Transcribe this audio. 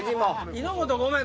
井本ごめん。